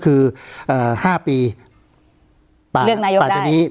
การแสดงความคิดเห็น